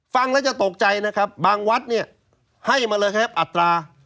ฟังแล้วจะตกใจนะครับบางวัดเนี่ยให้มาเลยครับอัตรา